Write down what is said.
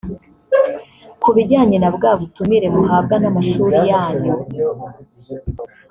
Ku bijyanye na bwa butumire muhabwa n’amashuli yanyu